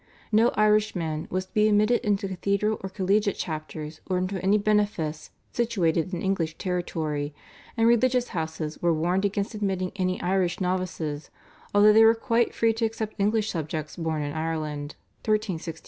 No Irishman was to be admitted into cathedral or collegiate chapters or into any benefice situated in English territory, and religious houses were warned against admitting any Irish novices, although they were quite free to accept English subjects born in Ireland (1367).